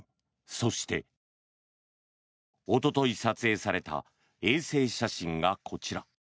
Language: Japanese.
そして、おととい撮影された衛星写真がこちら。